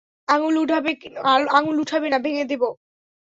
আঙুল উঠাবে না, ভেঙ্গে দেব।